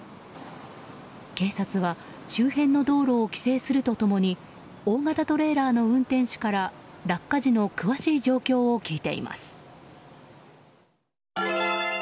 警察は周辺の道路を規制すると共に大型トレーラーの運転手から落下時の詳しい状況を聞いています。